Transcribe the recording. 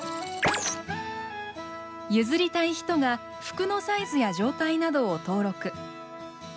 譲りたい人が服のサイズや状態などを登録。